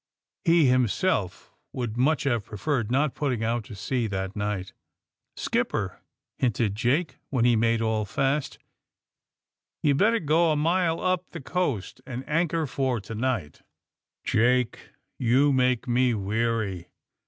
He himself would much have preferred not putting out to sea that night. *^ Skipper," hinted Jake, when he had made all fast, *'ye better go a mile up the coast ancj anchor for to night," 68 THE SUBMAEINE BOYS (( Jake, you make me Tveary!''